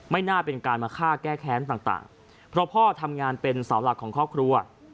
น่าเป็นการมาฆ่าแก้แค้นต่างเพราะพ่อทำงานเป็นเสาหลักของครอบครัว